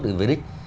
để về đích